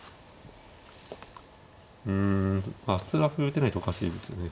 うん普通は歩打てないとおかしいですよね